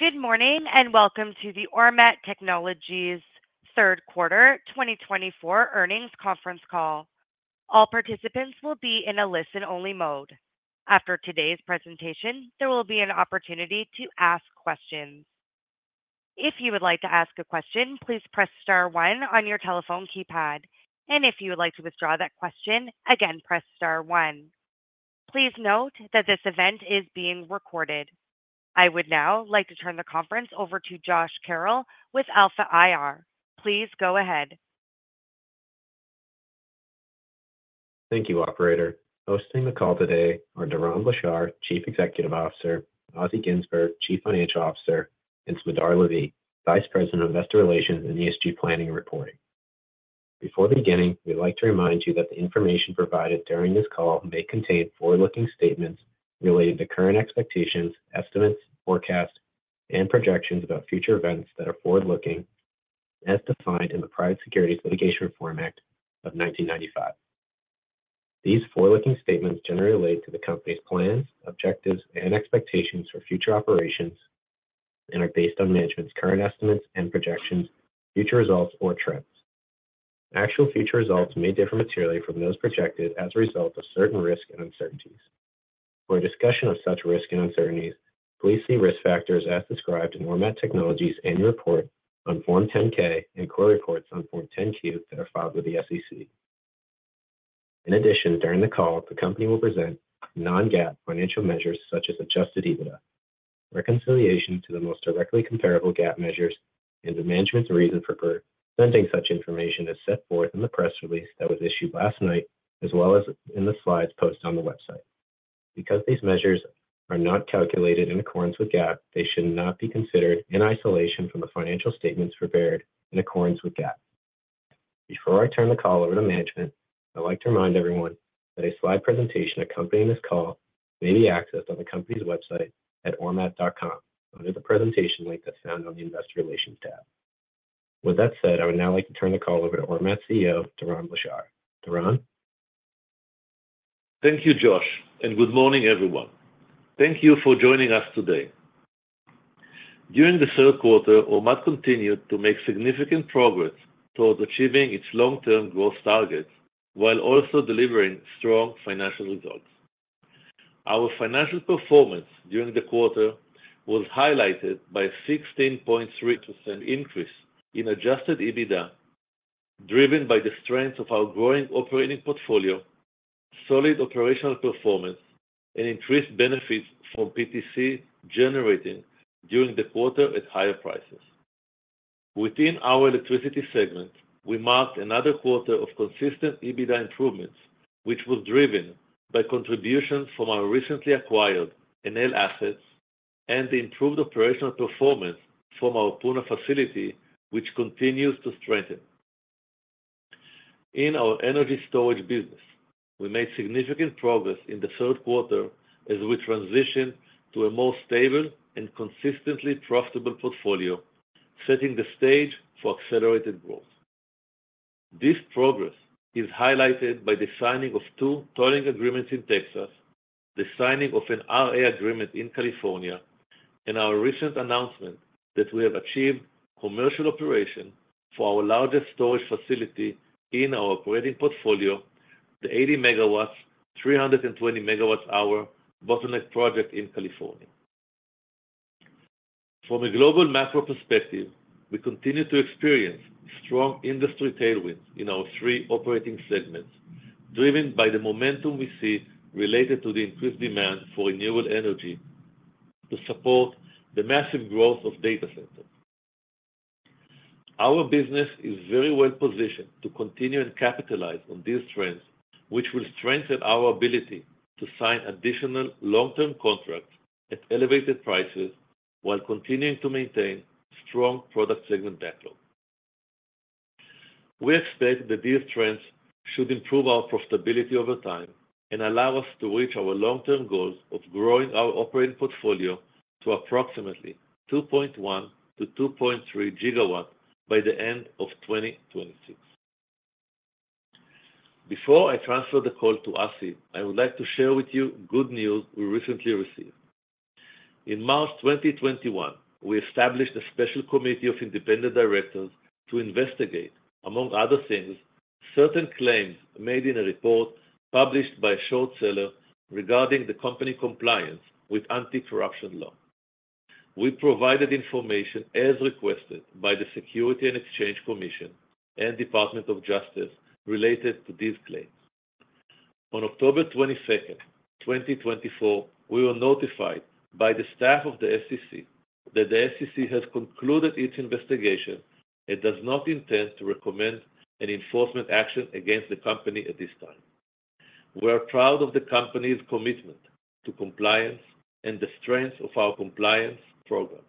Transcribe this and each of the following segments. Good morning and welcome to the Ormat Technologies' third quarter 2024 earnings conference call. All participants will be in a listen-only mode. After today's presentation, there will be an opportunity to ask questions. If you would like to ask a question, please press star one on your telephone keypad, and if you would like to withdraw that question, again press star one. Please note that this event is being recorded. I would now like to turn the conference over to Josh Carroll with Alpha IR. Please go ahead. Thank you, Operator. Hosting the call today are Doron Blachar, Chief Executive Officer, Assi Ginzburg, Chief Financial Officer, and Smadar Lavi, Vice President of Investor Relations and ESG Planning and Reporting. Before beginning, we'd like to remind you that the information provided during this call may contain forward-looking statements related to current expectations, estimates, forecasts, and projections about future events that are forward-looking, as defined in the Private Securities Litigation Reform Act of 1995. These forward-looking statements generally relate to the company's plans, objectives, and expectations for future operations and are based on management's current estimates and projections, future results, or trends. Actual future results may differ materially from those projected as a result of certain risks and uncertainties. For a discussion of such risks and uncertainties, please see risk factors as described in Ormat Technologies' annual report on Form 10-K and quarterly reports on Form 10-Q that are filed with the SEC. In addition, during the call, the company will present non-GAAP financial measures such as Adjusted EBITDA, reconciliation to the most directly comparable GAAP measures, and the management's reason for presenting such information is set forth in the press release that was issued last night, as well as in the slides posted on the website. Because these measures are not calculated in accordance with GAAP, they should not be considered in isolation from the financial statements prepared in accordance with GAAP. Before I turn the call over to management, I'd like to remind everyone that a slide presentation accompanying this call may be accessed on the company's website at ormat.com under the presentation link that's found on the Investor Relations tab. With that said, I would now like to turn the call over to Ormat CEO, Doron Blachar. Doron? Thank you, Josh, and good morning, everyone. Thank you for joining us today. During the third quarter, Ormat continued to make significant progress towards achieving its long-term growth targets while also delivering strong financial results. Our financial performance during the quarter was highlighted by a 16.3% increase in Adjusted EBITDA, driven by the strength of our growing operating portfolio, solid operational performance, and increased benefits from PTC generating during the quarter at higher prices. Within our electricity segment, we marked another quarter of consistent EBITDA improvements, which was driven by contributions from our recently acquired Enel assets and the improved operational performance from our Puna facility, which continues to strengthen. In our energy storage business, we made significant progress in the third quarter as we transitioned to a more stable and consistently profitable portfolio, setting the stage for accelerated growth. This progress is highlighted by the signing of two tolling agreements in Texas, the signing of an RA agreement in California, and our recent announcement that we have achieved commercial operation for our largest storage facility in our operating portfolio, the 80-megawatt, 320-megawatt-hour Bottleneck project in California. From a global macro perspective, we continue to experience strong industry tailwinds in our three operating segments, driven by the momentum we see related to the increased demand for renewable energy to support the massive growth of data centers. Our business is very well positioned to continue and capitalize on these trends, which will strengthen our ability to sign additional long-term contracts at elevated prices while continuing to maintain strong product segment backlog. We expect that these trends should improve our profitability over time and allow us to reach our long-term goals of growing our operating portfolio to approximately 2.1-2.3 gigawatts by the end of 2026. Before I transfer the call to Assi, I would like to share with you good news we recently received. In March 2021, we established a special committee of independent directors to investigate, among other things, certain claims made in a report published by a short seller regarding the company's compliance with anti-corruption law. We provided information as requested by the Securities and Exchange Commission and Department of Justice related to these claims. On October 22, 2024, we were notified by the staff of the SEC that the SEC has concluded its investigation and does not intend to recommend an enforcement action against the company at this time. We are proud of the company's commitment to compliance and the strength of our compliance program,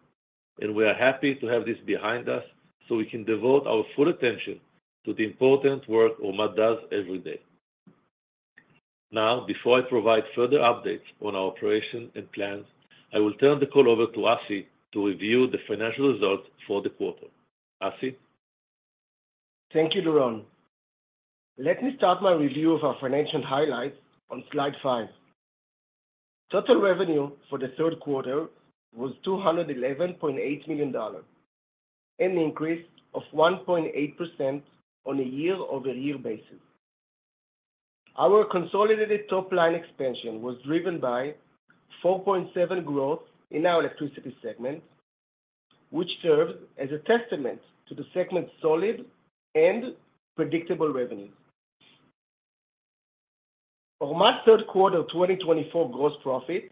and we are happy to have this behind us so we can devote our full attention to the important work Ormat does every day. Now, before I provide further updates on our operation and plans, I will turn the call over to Assi to review the financial results for the quarter. Assi? Thank you, Doron. Let me start my review of our financial highlights on slide five. Total revenue for the third quarter was $211.8 million, an increase of 1.8% on a year-over-year basis. Our consolidated top-line expansion was driven by 4.7% growth in our electricity segment, which serves as a testament to the segment's solid and predictable revenues. Ormat's third quarter 2024 gross profit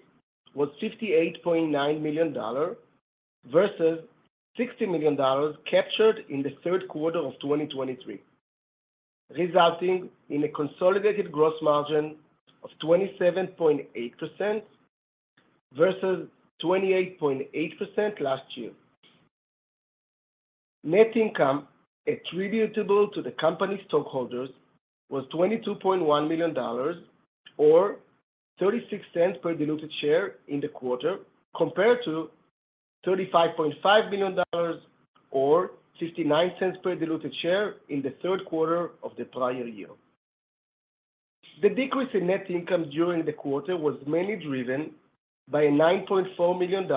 was $58.9 million versus $60 million captured in the third quarter of 2023, resulting in a consolidated gross margin of 27.8% versus 28.8% last year. Net income attributable to the company's stockholders was $22.1 million, or $0.36 per diluted share in the quarter, compared to $35.5 million, or $0.59 per diluted share in the third quarter of the prior year. The decrease in net income during the quarter was mainly driven by a $9.4 million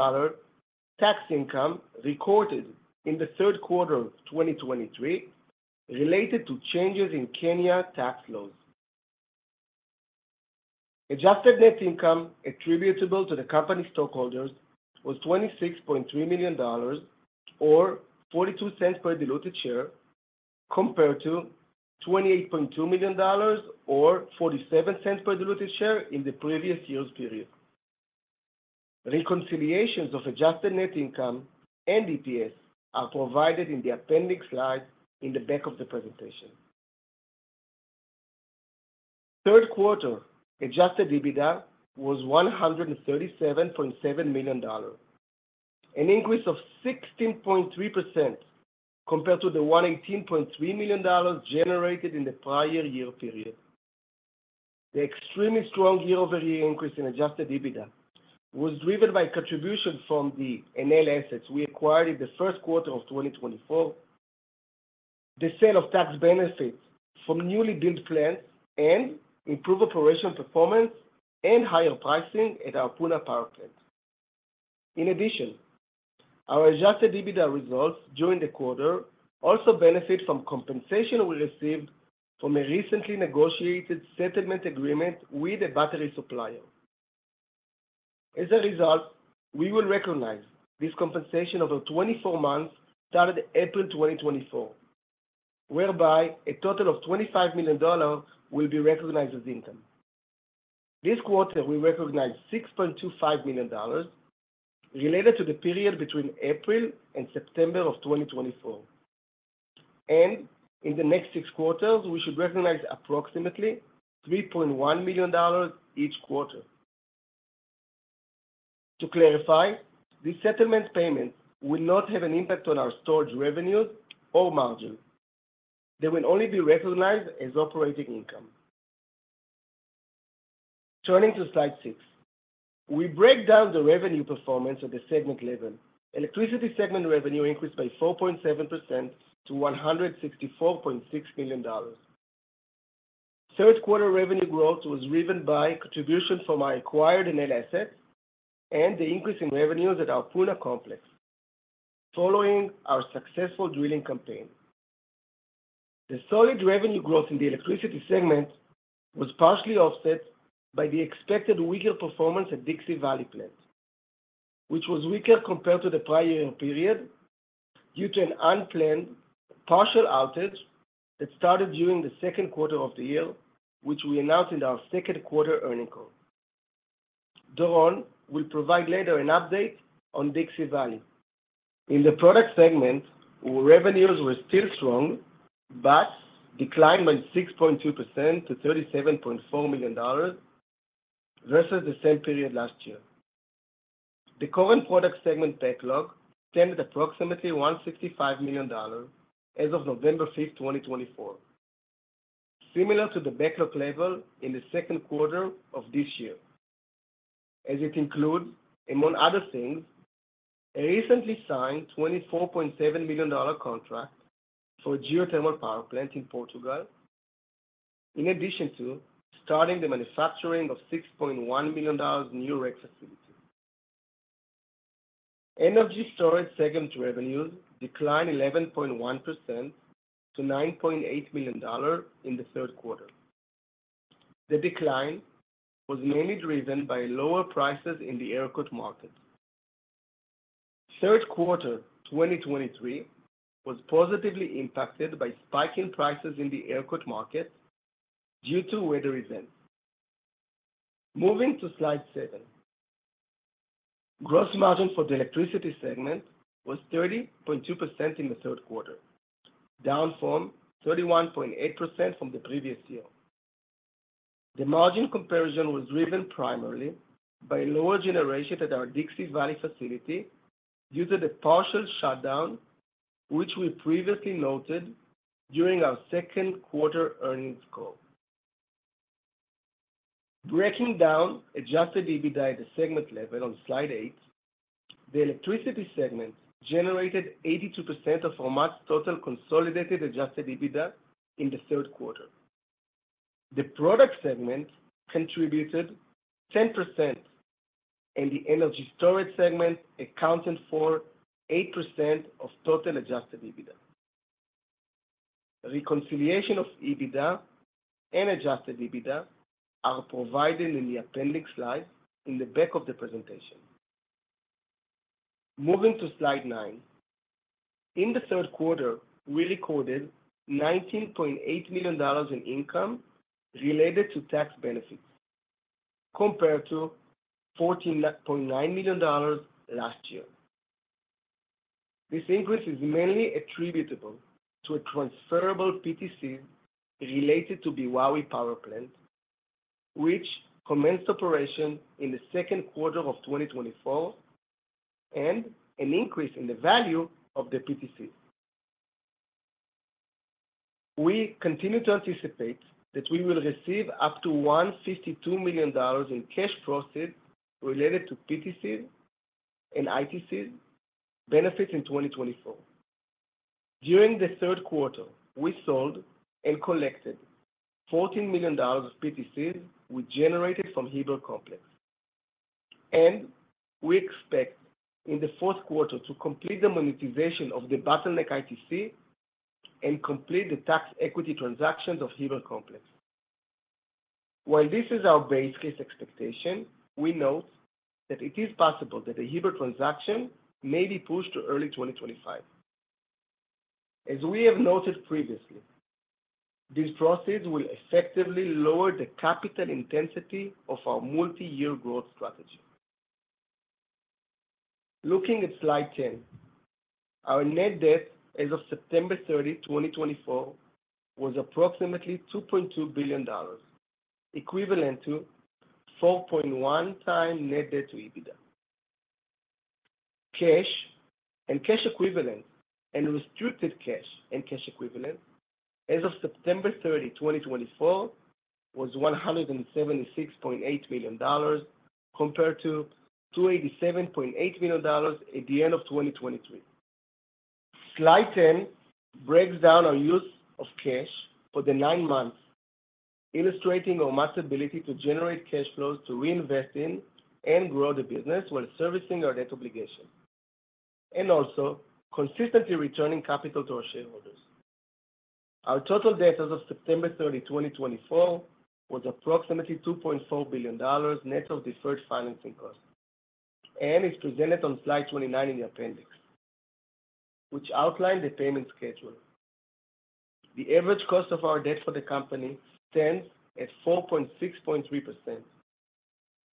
tax income recorded in the third quarter of 2023 related to changes in Kenya tax laws. Adjusted net income attributable to the company's stockholders was $26.3 million, or $0.42 per diluted share, compared to $28.2 million, or $0.47 per diluted share in the previous year's period. Reconciliations of adjusted net income and EPS are provided in the appendix slide in the back of the presentation. Third quarter adjusted EBITDA was $137.7 million, an increase of 16.3% compared to the $118.3 million generated in the prior year period. The extremely strong year-over-year increase in adjusted EBITDA was driven by contributions from the Enel assets we acquired in the first quarter of 2024, the sale of tax benefits from newly built plants, and improved operational performance and higher pricing at our Puna power plant. In addition, our adjusted EBITDA results during the quarter also benefit from compensation we received from a recently negotiated settlement agreement with a battery supplier. As a result, we will recognize this compensation over 24 months started April 2024, whereby a total of $25 million will be recognized as income. This quarter, we recognize $6.25 million related to the period between April and September of 2024, and in the next six quarters, we should recognize approximately $3.1 million each quarter. To clarify, these settlement payments will not have an impact on our storage revenues or margin. They will only be recognized as operating income. Turning to slide six, we break down the revenue performance at the segment level. Electricity segment revenue increased by 4.7% to $164.6 million. Third quarter revenue growth was driven by contributions from our acquired Enel assets and the increase in revenues at our Puna complex following our successful drilling campaign. The solid revenue growth in the electricity segment was partially offset by the expected weaker performance at Dixie Valley Plant, which was weaker compared to the prior year period due to an unplanned partial outage that started during the second quarter of the year, which we announced in our second quarter earnings call. Doron will provide later an update on Dixie Valley. In the product segment, revenues were still strong, but declined by 6.2% to $37.4 million versus the same period last year. The current product segment backlog stood at approximately $165 million as of November 5, 2024, similar to the backlog level in the second quarter of this year, as it includes, among other things, a recently signed $24.7 million contract for a geothermal power plant in Portugal, in addition to starting the manufacturing of $6.1 million new EPC facility. Energy storage segment revenues declined 11.1% to $9.8 million in the third quarter. The decline was mainly driven by lower prices in the ERCOT market. Third quarter 2023 was positively impacted by spiking prices in the ERCOT market due to weather events. Moving to slide seven, gross margin for the electricity segment was 30.2% in the third quarter, down from 31.8% from the previous year. The margin comparison was driven primarily by lower generation at our Dixie Valley facility due to the partial shutdown, which we previously noted during our second quarter earnings call. Breaking down Adjusted EBITDA at the segment level on slide eight, the electricity segment generated 82% of Ormat's total consolidated Adjusted EBITDA in the third quarter. The product segment contributed 10%, and the energy storage segment accounted for 8% of total Adjusted EBITDA. Reconciliation of EBITDA and Adjusted EBITDA are provided in the appendix slide in the back of the presentation. Moving to slide nine, in the third quarter, we recorded $19.8 million in income related to tax benefits compared to $14.9 million last year. This increase is mainly attributable to a transferable PTC related to Beowawe power plant, which commenced operation in the second quarter of 2024, and an increase in the value of the PTC. We continue to anticipate that we will receive up to $152 million in cash profits related to PTCs and ITCs benefits in 2024. During the third quarter, we sold and collected $14 million of PTCs we generated from Heber Complex, and we expect in the fourth quarter to complete the monetization of the Bottleneck ITC and complete the tax equity transactions of Heber Complex. While this is our basic expectation, we note that it is possible that a Heber transaction may be pushed to early 2025. As we have noted previously, these processes will effectively lower the capital intensity of our multi-year growth strategy. Looking at slide 10, our net debt as of September 30, 2024, was approximately $2.2 billion, equivalent to 4.1 times net debt to EBITDA. Cash and cash equivalents, and restricted cash and cash equivalents, as of September 30, 2024, was $176.8 million compared to $287.8 million at the end of 2023. Slide 10 breaks down our use of cash for the nine months, illustrating Ormat's ability to generate cash flows to reinvest in and grow the business while servicing our debt obligation, and also consistently returning capital to our shareholders. Our total debt as of September 30, 2024, was approximately $2.4 billion net of deferred financing costs, and it's presented on slide 29 in the appendix, which outlined the payment schedule. The average cost of our debt for the company stands at 4.63%,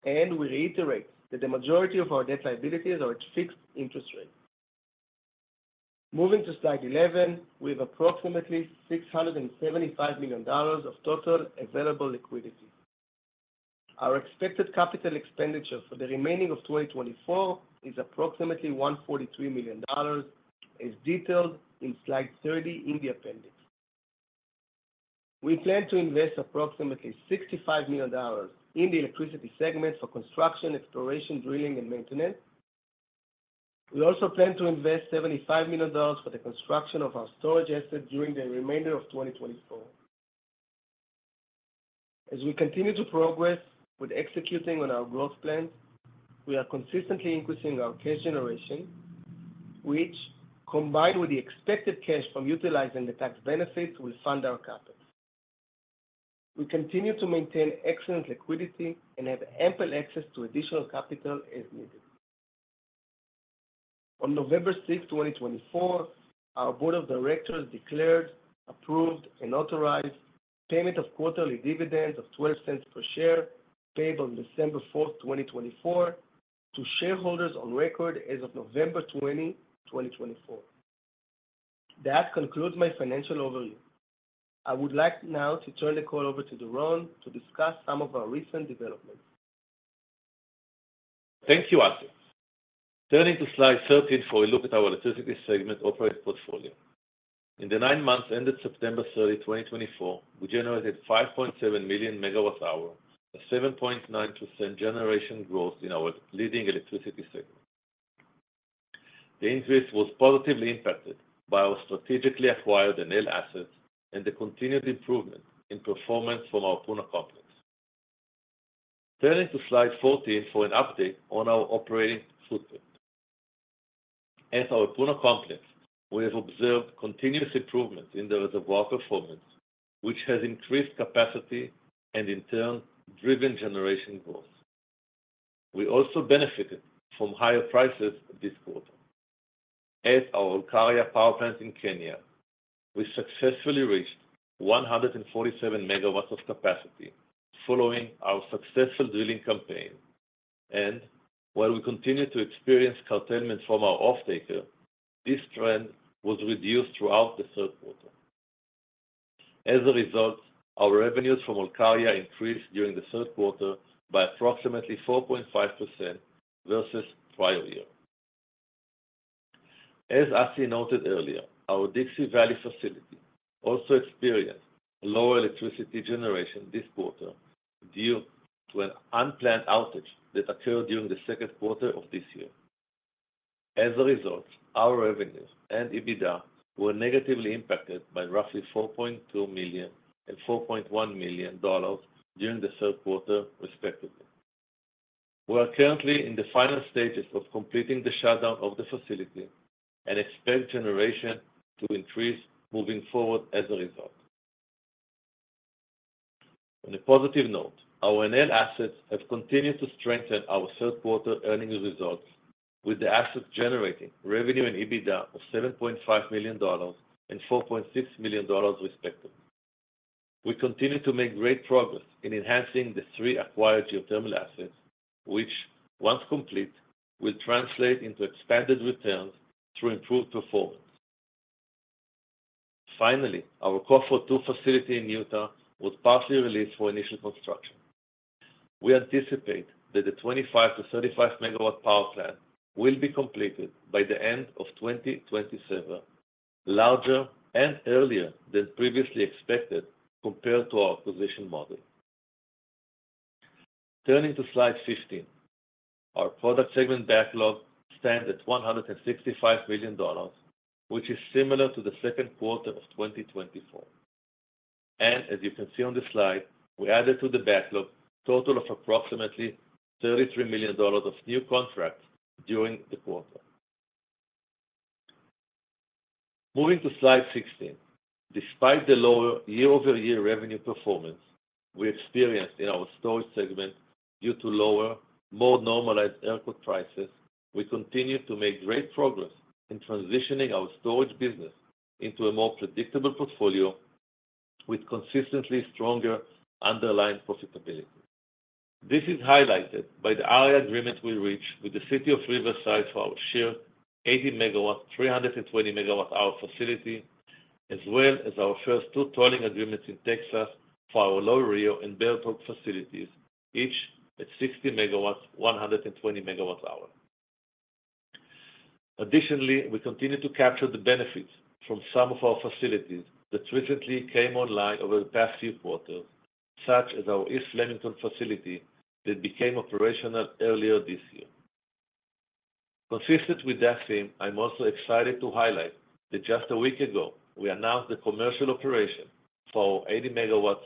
and we reiterate that the majority of our debt liabilities are at fixed interest rates. Moving to slide 11, we have approximately $675 million of total available liquidity. Our expected capital expenditure for the remainder of 2024 is approximately $143 million, as detailed in slide 30 in the appendix. We plan to invest approximately $65 million in the electricity segment for construction, exploration, drilling, and maintenance. We also plan to invest $75 million for the construction of our storage asset during the remainder of 2024. As we continue to progress with executing on our growth plans, we are consistently increasing our cash generation, which, combined with the expected cash from utilizing the tax benefits, will fund our capital. We continue to maintain excellent liquidity and have ample access to additional capital as needed. On November 6, 2024, our Board of Directors declared, approved, and authorized payment of quarterly dividends of $0.12 per share paid on December 4, 2024, to shareholders on record as of November 20, 2024. That concludes my financial overview. I would like now to turn the call over to Doron to discuss some of our recent developments. Thank you, Assi. Turning to slide 13 for a look at our electricity segment operating portfolio. In the nine months ended September 30, 2024, we generated 5.7 million megawatt-hours, a 7.9% generation growth in our leading electricity segment. The increase was positively impacted by our strategically acquired Enel assets and the continued improvement in performance from our Puna complex. Turning to slide 14 for an update on our operating footprint. At our Puna complex, we have observed continuous improvements in the reservoir performance, which has increased capacity and, in turn, driven generation growth. We also benefited from higher prices this quarter. At our Olkaria power plant in Kenya, we successfully reached 147 megawatts of capacity following our successful drilling campaign, and while we continued to experience curtailment from our off-taker, this trend was reduced throughout the third quarter. As a result, our revenues from Olkaria increased during the third quarter by approximately 4.5% versus the prior year. As Assi noted earlier, our Dixie Valley facility also experienced lower electricity generation this quarter due to an unplanned outage that occurred during the second quarter of this year. As a result, our revenues and EBITDA were negatively impacted by roughly $4.2 million and $4.1 million during the third quarter, respectively. We are currently in the final stages of completing the shutdown of the facility and expect generation to increase moving forward as a result. On a positive note, our Enel assets have continued to strengthen our third quarter earnings results, with the assets generating revenue and EBITDA of $7.5 million and $4.6 million, respectively. We continue to make great progress in enhancing the three acquired geothermal assets, which, once complete, will translate into expanded returns through improved performance. Finally, our Cove Fort II facility in Utah was partially released for initial construction. We anticipate that the 25-35 megawatts power plant will be completed by the end of 2027, larger and earlier than previously expected compared to our acquisition model. Turning to slide 15, our product segment backlog stands at $165 million, which is similar to the second quarter of 2024. And as you can see on the slide, we added to the backlog a total of approximately $33 million of new contracts during the quarter. Moving to slide 16, despite the lower year-over-year revenue performance we experienced in our storage segment due to lower, more normalized merchant prices, we continue to make great progress in transitioning our storage business into a more predictable portfolio with consistently stronger underlying profitability. This is highlighted by the RA agreement we reached with the City of Riverside for our shared 80-megawatt, 320-megawatt-hour facility, as well as our first two tolling agreements in Texas for our Lower Rio and Bear Brook facilities, each at 60 megawatts, 120 megawatt-hours. Additionally, we continue to capture the benefits from some of our facilities that recently came online over the past few quarters, such as our East Flemington facility that became operational earlier this year. Consistent with that theme, I'm also excited to highlight that just a week ago, we announced the commercial operation for our 80 megawatts,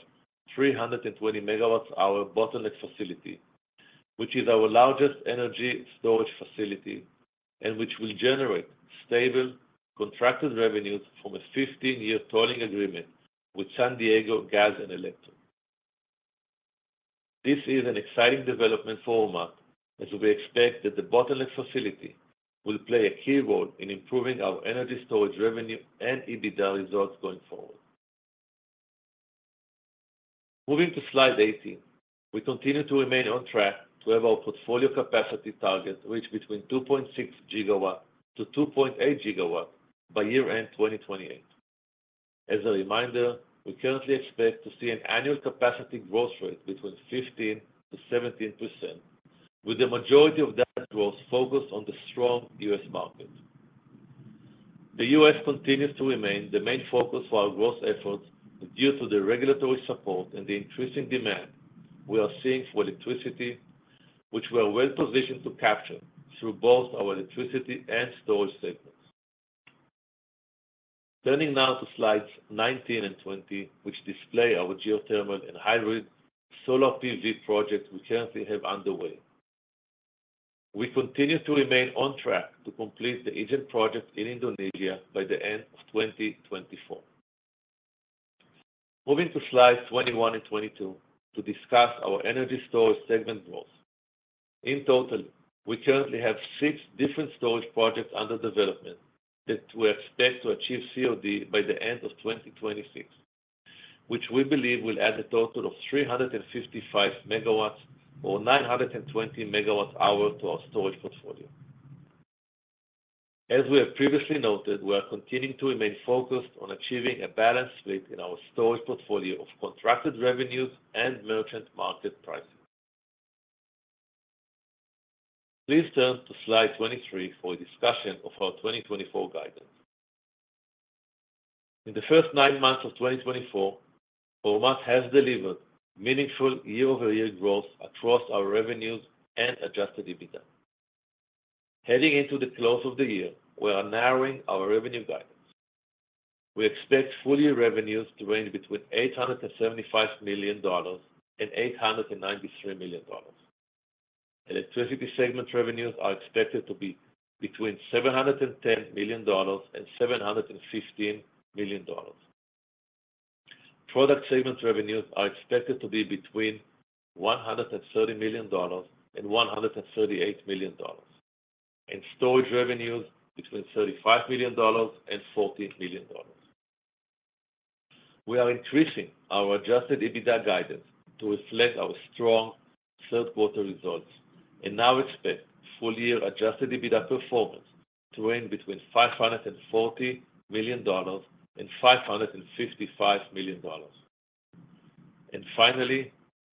320 megawatt-hour Bottleneck facility, which is our largest energy storage facility and which will generate stable contracted revenues from a 15-year tolling agreement with San Diego Gas and Electric. This is an exciting development for Ormat, as we expect that the Bottleneck facility will play a key role in improving our energy storage revenue and EBITDA results going forward. Moving to slide 18, we continue to remain on track to have our portfolio capacity target reach between 2.6-2.8 gigawatts by year-end 2028. As a reminder, we currently expect to see an annual capacity growth rate between 15%-17%, with the majority of that growth focused on the strong U.S. market. The U.S. continues to remain the main focus for our growth efforts due to the regulatory support and the increasing demand we are seeing for electricity, which we are well positioned to capture through both our electricity and storage segments. Turning now to slides 19 and 20, which display our geothermal and hybrid solar PV project we currently have underway. We continue to remain on track to complete the Ijen project in Indonesia by the end of 2024. Moving to slides 21 and 22 to discuss our energy storage segment growth. In total, we currently have six different storage projects under development that we expect to achieve COD by the end of 2026, which we believe will add a total of 355 megawatts or 920 megawatt-hours to our storage portfolio. As we have previously noted, we are continuing to remain focused on achieving a balanced split in our storage portfolio of contracted revenues and merchant market prices. Please turn to slide 23 for a discussion of our 2024 guidance. In the first nine months of 2024, Ormat has delivered meaningful year-over-year growth across our revenues and Adjusted EBITDA. Heading into the close of the year, we are narrowing our revenue guidance. We expect full-year revenues to range between $875 million and $893 million. Electricity segment revenues are expected to be between $710 million and $715 million. Product segment revenues are expected to be between $130 million and $138 million, and storage revenues between $35 million and $40 million. We are increasing our Adjusted EBITDA guidance to reflect our strong third-quarter results and now expect full-year Adjusted EBITDA performance to range between $540 million and $555 million. And finally,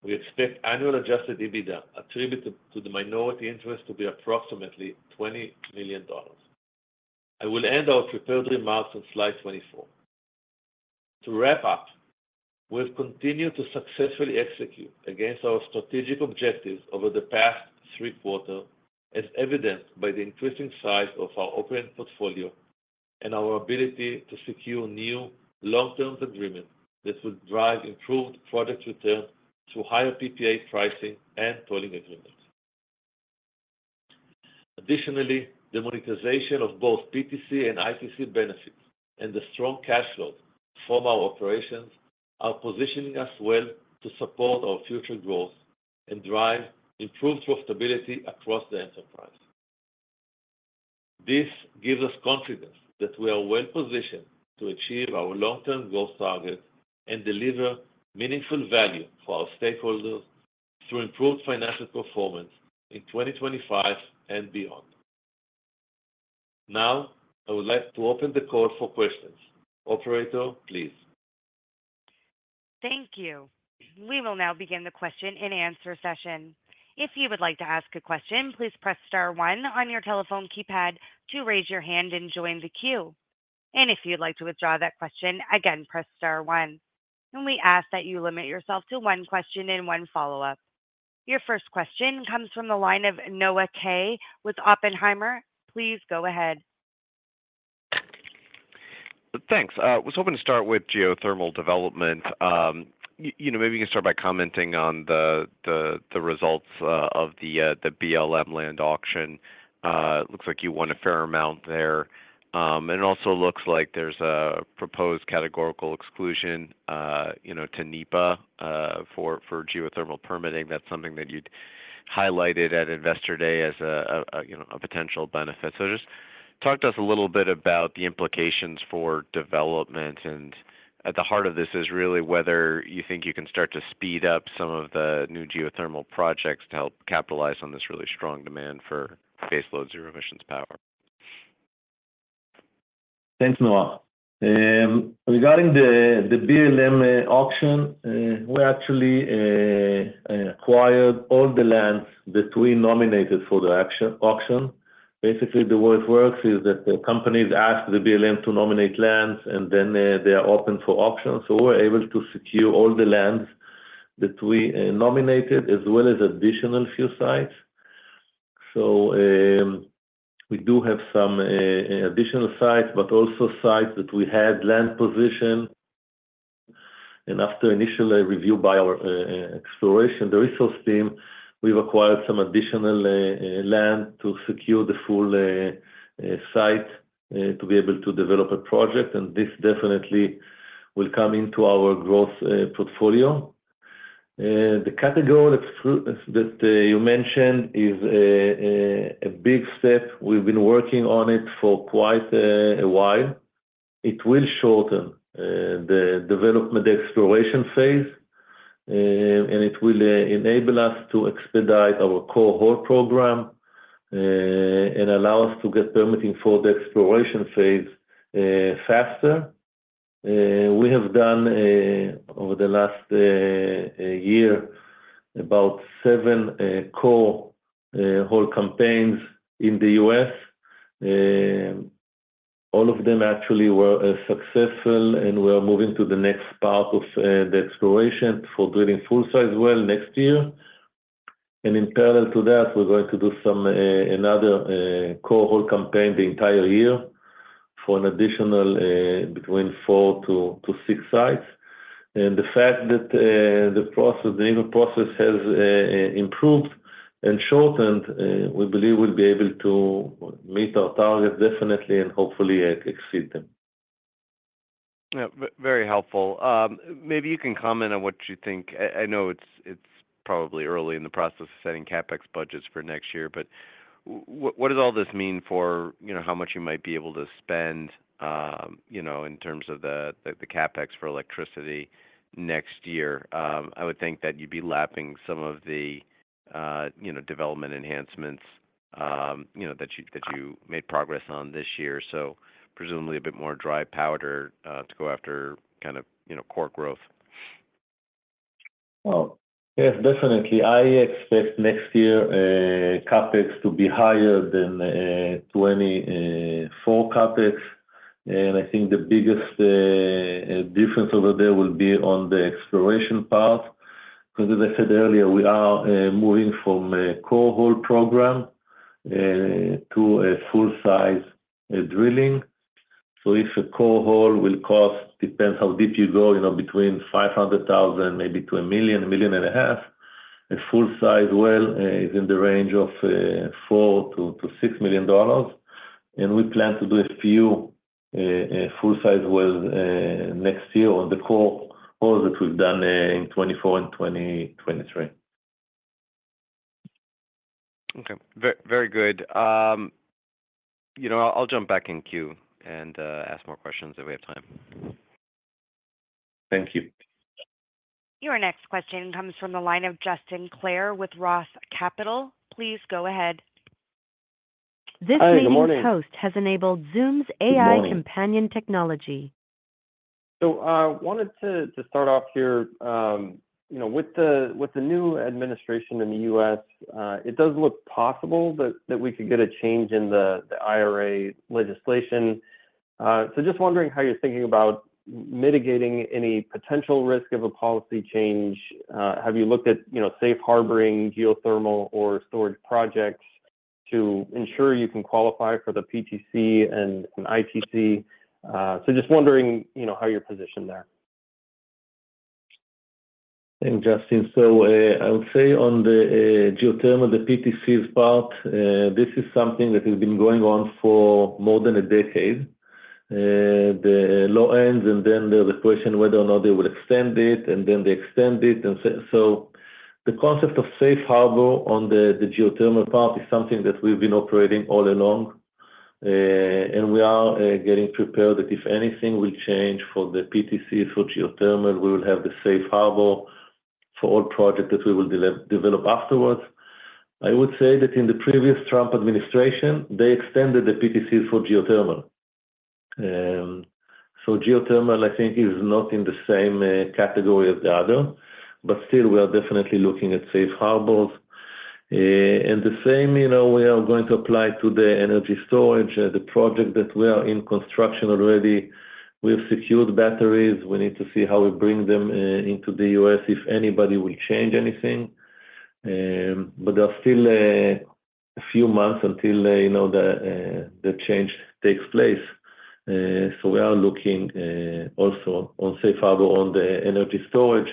we expect annual Adjusted EBITDA attributed to the minority interest to be approximately $20 million. I will end our prepared remarks on slide 24. To wrap up, we have continued to successfully execute against our strategic objectives over the past three quarters, as evidenced by the increasing size of our operating portfolio and our ability to secure new long-term agreements that will drive improved product returns through higher PPA pricing and tolling agreements. Additionally, the monetization of both PTC and ITC benefits and the strong cash flows from our operations are positioning us well to support our future growth and drive improved profitability across the enterprise. This gives us confidence that we are well positioned to achieve our long-term growth targets and deliver meaningful value for our stakeholders through improved financial performance in 2025 and beyond. Now, I would like to open the call for questions. Operator, please. Thank you. We will now begin the question and answer session. If you would like to ask a question, please press star one on your telephone keypad to raise your hand and join the queue. And if you'd like to withdraw that question, again, press star one. And we ask that you limit yourself to one question and one follow-up. Your first question comes from the line of Noah Kaye with Oppenheimer. Please go ahead. Thanks. I was hoping to start with geothermal development. Maybe you can start by commenting on the results of the BLM land auction. It looks like you won a fair amount there. And it also looks like there's a proposed categorical exclusion to NEPA for geothermal permitting. That's something that you'd highlighted at Investor Day as a potential benefit. So just talk to us a little bit about the implications for development. And at the heart of this is really whether you think you can start to speed up some of the new geothermal projects to help capitalize on this really strong demand for baseload zero-emissions power. Thanks, Noah. Regarding the BLM auction, we actually acquired all the lands that we nominated for the auction. Basically, the way it works is that the companies ask the BLM to nominate lands, and then they are open for auction, so we're able to secure all the lands that we nominated, as well as additional few sites, so we do have some additional sites, but also sites that we had land position. And after initial review by our exploration and the resource team, we've acquired some additional land to secure the full site to be able to develop a project, and this definitely will come into our growth portfolio. The category that you mentioned is a big step. We've been working on it for quite a while. It will shorten the development exploration phase, and it will enable us to expedite our core hole program and allow us to get permitting for the exploration phase faster. We have done, over the last year, about seven core hole campaigns in the U.S. All of them actually were successful, and we are moving to the next part of the exploration for drilling full-size well next year. And in parallel to that, we're going to do another core hole campaign the entire year for an additional between four to six sites. And the fact that the process has improved and shortened. We believe we'll be able to meet our targets definitely and hopefully exceed them. Yeah, very helpful. Maybe you can comment on what you think. I know it's probably early in the process of setting CapEx budgets for next year, but what does all this mean for how much you might be able to spend in terms of the CapEx for electricity next year? I would think that you'd be lapping some of the development enhancements that you made progress on this year, so presumably a bit more dry powder to go after kind of core growth. Oh, yes, definitely. I expect next year CapEx to be higher than 2024 CapEx. And I think the biggest difference over there will be on the exploration path. As I said earlier, we are moving from a core hole program to a full-size drilling. So if a core hole will cost, depends how deep you go, between $500,000, maybe to $1 million, $1.5 million, a full-size well is in the range of $4-$6 million. And we plan to do a few full-size wells next year on the core holes that we've done in 2024 and 2023. Okay. Very good. I'll jump back in queue and ask more questions if we have time. Thank you. Your next question comes from the line of Justin Clare with ROTH MKM. Please go ahead. This news post has enabled Zoom's AI companion technology. So I wanted to start off here with the new administration in the U.S. It does look possible that we could get a change in the IRA legislation. So just wondering how you're thinking about mitigating any potential risk of a policy change. Have you looked at safe harboring geothermal or storage projects to ensure you can qualify for the PTC and ITC? So just wondering how you're positioned there. Thanks, Justin. So I would say on the geothermal, the PTC part, this is something that has been going on for more than a decade. The low end and then there's a question whether or not they will extend it, and then they extend it. And so the concept of safe harbor on the geothermal part is something that we've been operating all along. And we are getting prepared that if anything will change for the PTCs for geothermal, we will have the safe harbor for all projects that we will develop afterwards. I would say that in the previous Trump administration, they extended the PTCs for geothermal. So geothermal, I think, is not in the same category as the other, but still, we are definitely looking at safe harbors. And the same, we are going to apply to the energy storage, the project that we are in construction already. We have secured batteries. We need to see how we bring them into the U.S. if anybody will change anything. But there are still a few months until the change takes place. So we are looking also on Safe Harbor on the energy storage.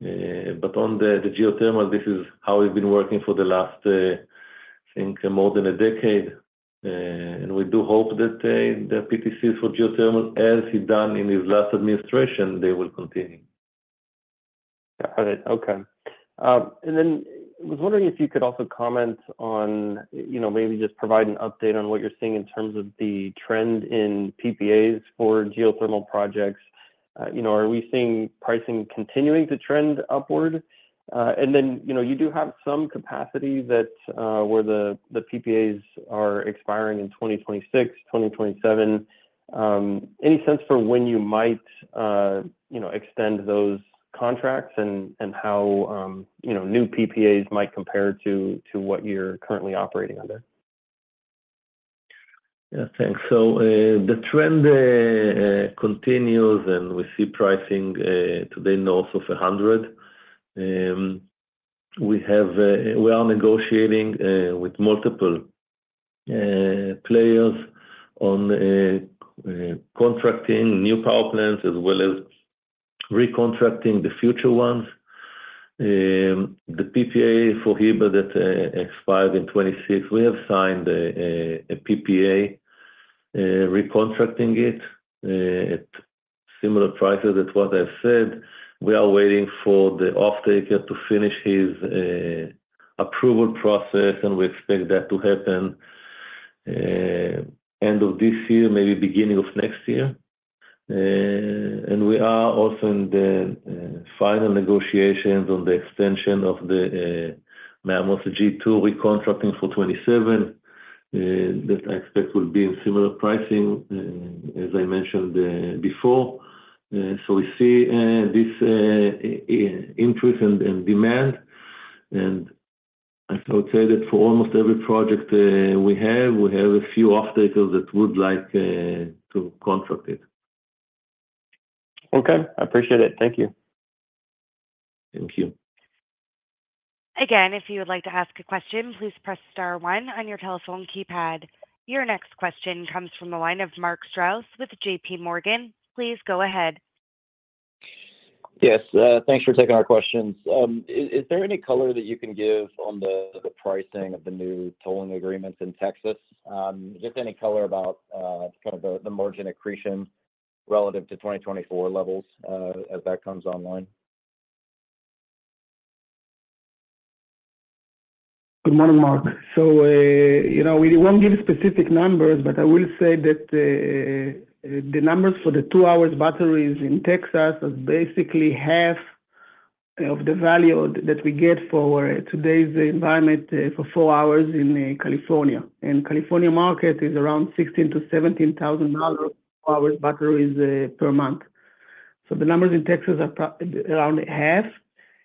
But on the geothermal, this is how we've been working for the last, I think, more than a decade. And we do hope that the PTCs for geothermal, as he done in his last administration, they will continue. Got it. Okay. And then I was wondering if you could also comment on maybe just provide an update on what you're seeing in terms of the trend in PPAs for geothermal projects. Are we seeing pricing continuing to trend upward? And then you do have some capacity where the PPAs are expiring in 2026, 2027. Any sense for when you might extend those contracts and how new PPAs might compare to what you're currently operating under? Yeah, thanks. The trend continues, and we see pricing today in ERCOT also for $100. We are negotiating with multiple players on contracting new power plants as well as recontracting the future ones. The PPA for Heber that expires in 2026, we have signed a PPA recontracting it at similar prices as what I've said. We are waiting for the offtaker to finish his approval process, and we expect that to happen end of this year, maybe beginning of next year. We are also in the final negotiations on the extension of the Mammoth G2 recontracting for 2027 that I expect will be in similar pricing, as I mentioned before. We see this increase in demand. I would say that for almost every project we have, we have a few offtakers that would like to contract it. Okay. I appreciate it. Thank you. Thank you. Again, if you would like to ask a question, please press star one on your telephone keypad. Your next question comes from the line of Mark Strouse with J.P. Morgan. Please go ahead. Yes. Thanks for taking our questions. Is there any color that you can give on the pricing of the new tolling agreements in Texas? Just any color about kind of the margin accretion relative to 2024 levels as that comes online? Good morning, Mark. So we won't give specific numbers, but I will say that the numbers for the two-hour batteries in Texas are basically half of the value that we get for today's environment for four hours in California. And California market is around $16,000-$17,000 for four-hour batteries per month. So the numbers in Texas are around half.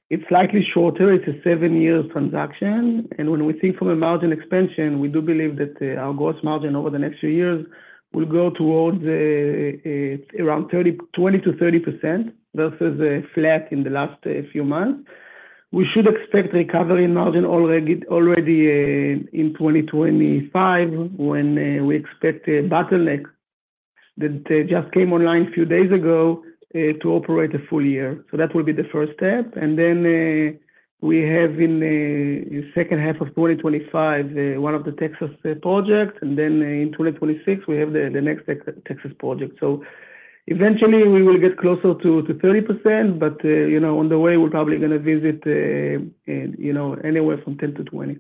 It's slightly shorter. It's a seven-year transaction. And when we think from a margin expansion, we do believe that our gross margin over the next few years will go towards around 20%-30% versus flat in the last few months. We should expect recovery margin already in 2025 when we expect Bottleneck that just came online a few days ago to operate a full year. So that will be the first step. And then we have in the second half of 2025 one of the Texas projects. And then in 2026, we have the next Texas project. So eventually, we will get closer to 30%, but on the way, we're probably going to visit anywhere from 10%-20%.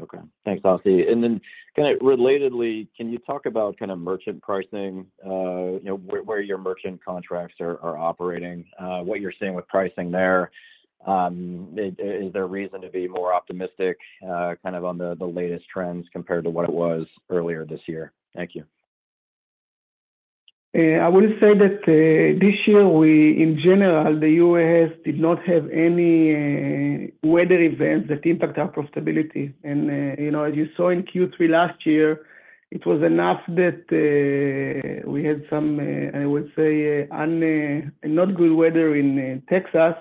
Okay. Thanks, Assi. And then kind of relatedly, can you talk about kind of merchant pricing, where your merchant contracts are operating, what you're seeing with pricing there? Is there a reason to be more optimistic kind of on the latest trends compared to what it was earlier this year? Thank you. I would say that this year, in general, the U.S. did not have any weather events that impact our profitability. And as you saw in Q3 last year, it was enough that we had some, I would say, not good weather in Texas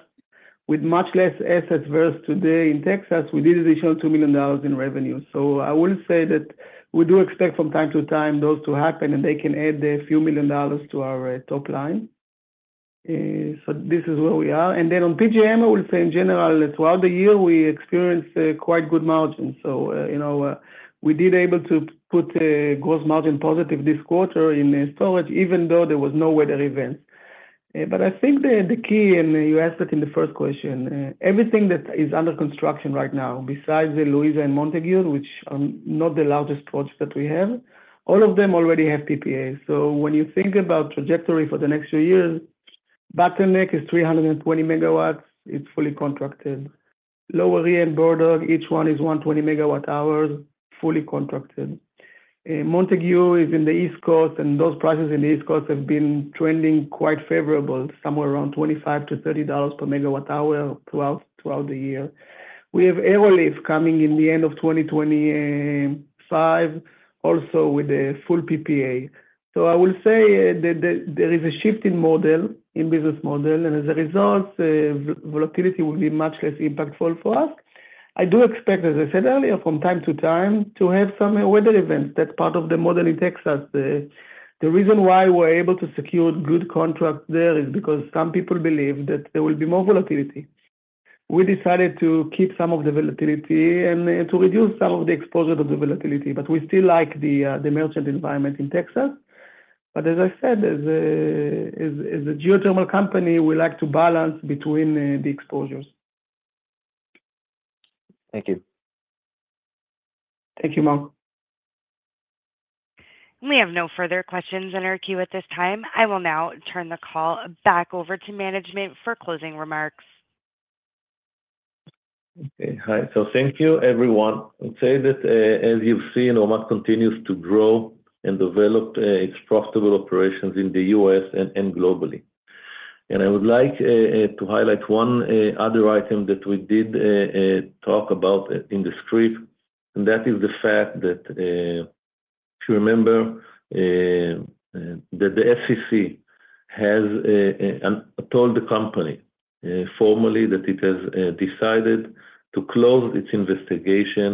with much less assets versus today in Texas. We did additional $2 million in revenue. So I will say that we do expect from time to time those to happen, and they can add a few million dollars to our top line. So this is where we are. And then on PJM, I will say in general, throughout the year, we experienced quite good margins. So we did able to put gross margin positive this quarter in storage, even though there were no weather events. But I think the key, and you asked it in the first question, everything that is under construction right now, besides the Louisa and Montague, which are not the largest projects that we have, all of them already have PPAs. So when you think about trajectory for the next few years, Bottleneck is 320 megawatts. It's fully contracted. Lower Rio and Bear Brook, each one is 120 megawatt hours, fully contracted. Montague is in the East Coast, and those prices in the East Coast have been trending quite favorable, somewhere around $25-$30 per megawatt hour throughout the year. We have Arrowleaf coming in the end of 2025, also with a full PPA. So I will say that there is a shift in business model, and as a result, volatility will be much less impactful for us. I do expect, as I said earlier, from time to time to have some weather events. That's part of the model in Texas. The reason why we're able to secure good contracts there is because some people believe that there will be more volatility. We decided to keep some of the volatility and to reduce some of the exposure to the volatility, but we still like the merchant environment in Texas. But as I said, as a geothermal company, we like to balance between the exposures. Thank you. Thank you, Mark. We have no further questions in our queue at this time. I will now turn the call back over to management for closing remarks. Okay. Hi. Thank you, everyone. I would say that as you've seen, Ormat continues to grow and develop its profitable operations in the U.S. and globally. I would like to highlight one other item that we did talk about in the script, and that is the fact that, if you remember, the SEC has told the company formally that it has decided to close its investigation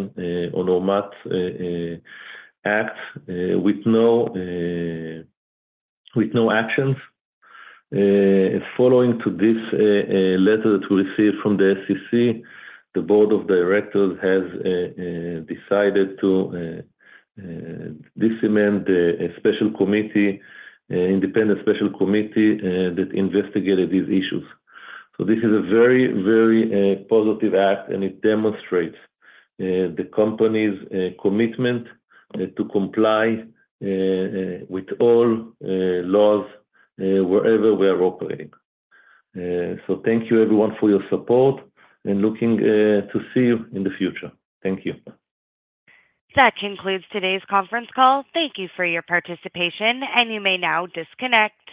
on Ormat's act with no actions. Following this letter that we received from the SEC, the board of directors has decided to disband an independent special committee that investigated these issues. This is a very, very positive act, and it demonstrates the company's commitment to comply with all laws wherever we are operating. Thank you, everyone, for your support, and looking forward to seeing you in the future. Thank you. That concludes today's conference call. Thank you for your participation, and you may now disconnect.